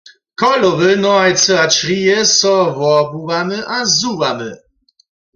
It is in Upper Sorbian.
Cholowy, nohajcy a črije so wobuwamy a zuwamy.